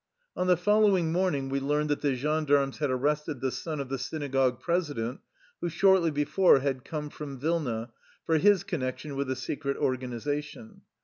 On the following morning we learned that the gendarmes had arrested the son of the syna gogue president, who shortly before had come from Vilna, for his connection with a secret organization.